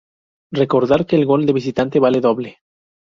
Recordar que el gol de visitante vale doble.